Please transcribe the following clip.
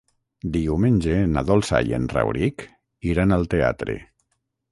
Diumenge na Dolça i en Rauric iran al teatre.